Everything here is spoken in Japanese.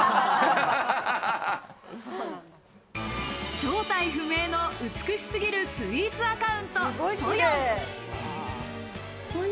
正体不明の美しすぎるスイーツアカウント、Ｓｏｙｏｎ。